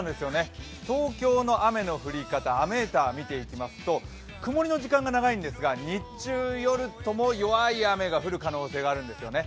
東京の雨の降り方、雨ーター見ていきますと、曇りの時間が長いんですが、日中、夜とも弱い雨が降る可能性があるんですよね。